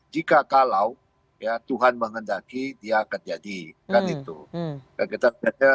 jika kalau tuhan menghendaki dia akan jadikan itu